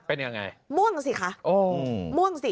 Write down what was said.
เป็นยังไงม่วงสิคะม่วงสิ